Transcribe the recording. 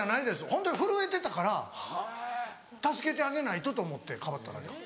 ホントに震えてたから助けてあげないとと思ってかばっただけです。